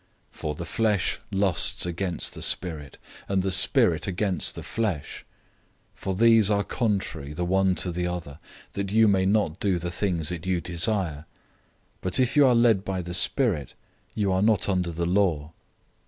005:017 For the flesh lusts against the Spirit, and the Spirit against the flesh; and these are contrary to one another, that you may not do the things that you desire. 005:018 But if you are led by the Spirit, you are not under the law.